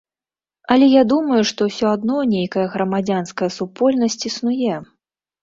Але я думаю, што ўсё адно нейкая грамадзянская супольнасць існуе.